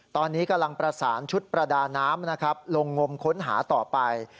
ตอนนี้กำลังประสานชุดประดาน้ำนะครับลงงมค้นหาต่อไป